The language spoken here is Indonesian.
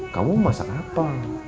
kamu masak apa